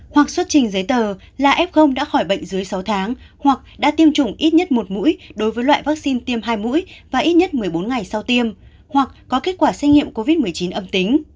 hoặc xuất trình giấy tờ là f đã khỏi bệnh dưới sáu tháng hoặc đã tiêm chủng ít nhất một mũi đối với loại vaccine tiêm hai mũi và ít nhất một mươi bốn ngày sau tiêm hoặc có kết quả xét nghiệm covid một mươi chín âm tính